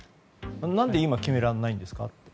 なぜ今、決められないんですか。